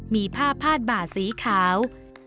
มีผ้าพาดบ่าสีขาว